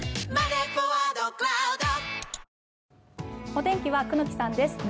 お天気は久能木さんです。